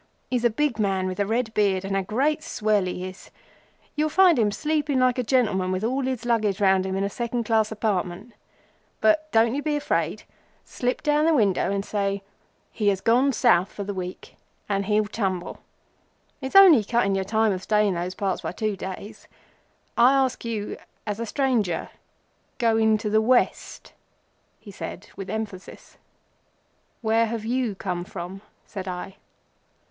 He's a big man with a red beard, and a great swell he is. You'll find him sleeping like a gentleman with all his luggage round him in a second class compartment. But don't you be afraid. Slip down the window, and say:—'He has gone South for the week,' and he'll tumble. It's only cutting your time of stay in those parts by two days. I ask you as a stranger—going to the West," he said with emphasis. "Where have you come from?" said I.